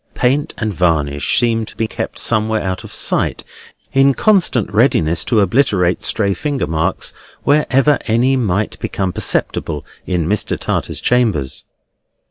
Paint and varnish seemed to be kept somewhere out of sight, in constant readiness to obliterate stray finger marks wherever any might become perceptible in Mr. Tartar's chambers.